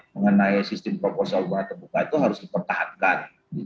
mengenai sistem proposal ubah terbuka itu harus dipertahankan